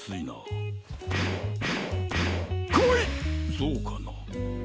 そうかな？